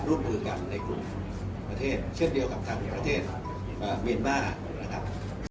คุณกันในกลุ่มช่วงเดียวกับทางประเทศอ่ะเมนมานะครับ